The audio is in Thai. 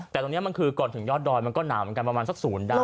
แต่ตรงนี้มันคือก่อนถึงยอดดอยมันก็หนาวเหมือนกันประมาณสักศูนย์ได้